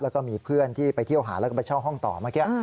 แล้วก็มีเพื่อนที่ไปเที่ยวหาแล้วก็ไปเช่าห้องต่อเมื่อกี้